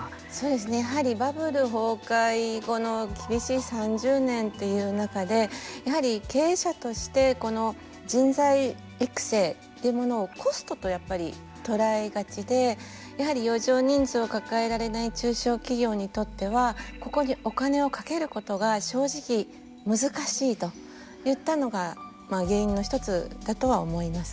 やはりバブル崩壊後の厳しい３０年という中でやはり経営者としてこの人材育成というものをコストとやっぱり捉えがちでやはり余剰人数を抱えられない中小企業にとってはここにお金をかけることが正直難しいといったのが原因の一つだとは思います。